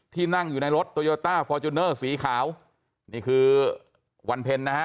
ที่นั่งอยู่ในรถฟอร์จูเนอร์สีขาวนี่คือวันเพลนนะฮะค่ะ